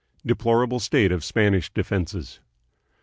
Deplorable State of Spanish Defenses.